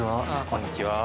こんにちは。